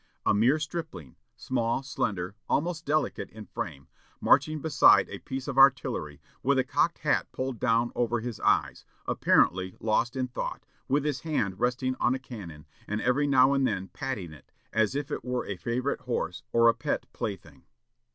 A mere stripling, small, slender, almost delicate in frame, marching beside a piece of artillery, with a cocked hat pulled down over his eyes, apparently lost in thought, with his hand resting on a cannon, and every now and then patting it, as if it were a favorite horse or a pet plaything."